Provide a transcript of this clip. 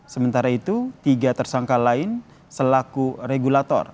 sementara itu tiga tersangka lain selaku regulator